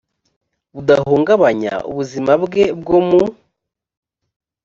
budahungabanya ubuzima bwe bwo mu